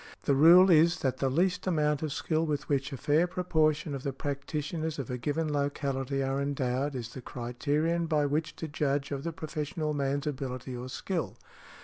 The rule is, that the least amount of skill with which a fair proportion of the practitioners of a given locality are endowed, is the criterion by which to judge of the professional man's ability or skill .